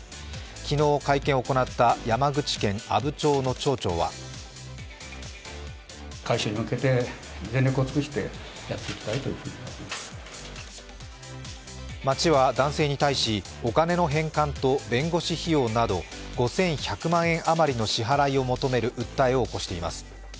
昨日、会見を行った山口県阿武町の町長は町は男性に対し、お金の返還と弁護士費用など５１００万円余りの支払いを求める訴えを起こしています。